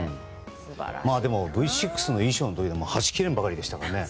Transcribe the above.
でも、Ｖ６の衣装もはちきれんばかりでしたからね。